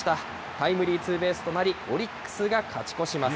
タイムリーツーベースとなり、オリックスが勝ち越します。